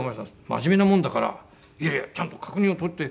真面目なもんだから「いやいやちゃんと確認を取って」。